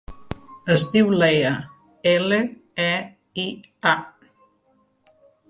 Es diu Leia: ela, e, i, a.